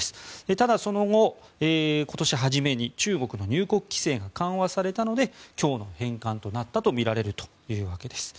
ただ、その後、今年初めに中国の入国規制が緩和されたので今日の返還となったとみられるというわけです。